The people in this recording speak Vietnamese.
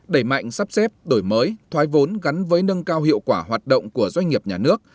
đẩy mạnh sắp xếp đổi mới thoái vốn gắn với nâng cao hiệu quả hoạt động của doanh nghiệp nhà nước